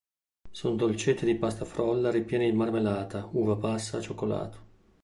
Sono dolcetti di pasta frolla ripieni di marmellata, uva passa, cioccolato.